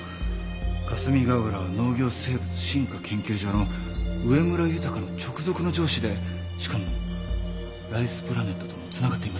霞ヶ浦農業生物進化研究所の上村浩の直属の上司でしかもライスプラネットともつながっています。